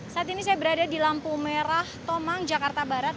saat ini saya berada di lampu merah tomang jakarta barat